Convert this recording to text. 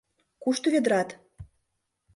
Кушто ведрат?